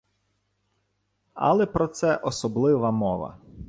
Але про це особлива мова